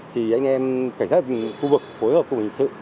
thì anh em cảnh sát khu vực phối hợp cùng hình sự